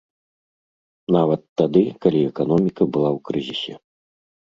Нават тады, калі эканоміка была ў крызісе.